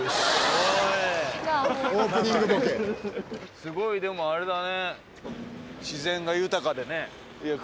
すごいでもあれだね。